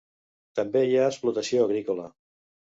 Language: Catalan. També hi ha explotació agrícola.